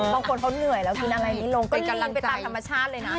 บางคนเขาเหนื่อยแล้วกินอะไรไม่ลงก็กินไปตามธรรมชาติเลยนะ